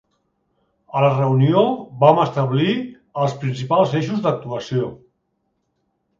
A la reunió vam establir els principals eixos d'actuació.